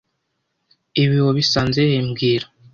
Ibi wabisanze he mbwira